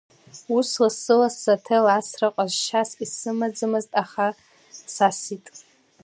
Ус ласы-лассы аҭел асра ҟазшьас исымаӡамызт аха сасит.